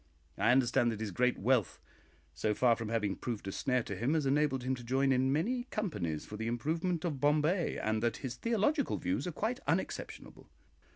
I understand that his great wealth, so far from having proved a snare to him, has enabled him to join in many companies for the improvement of Bombay, and that his theological views are quite unexceptionable."